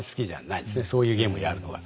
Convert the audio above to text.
そういうゲームやるのは。